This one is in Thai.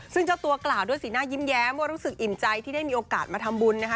ซึ่งเจ้าตัวกล่าวด้วยสีหน้ายิ้มแย้มว่ารู้สึกอิ่มใจที่ได้มีโอกาสมาทำบุญนะคะ